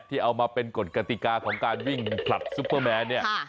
ที่เอามาเป็นกฎกติกาของการวิ่งผลัดซุปเปอร์แมนเนี่ย